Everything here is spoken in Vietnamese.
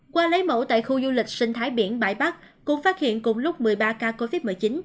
qua lấy mẫu tại khu du lịch sinh thái biển bãi bắc cũng phát hiện cùng lúc một mươi ba ca covid một mươi chín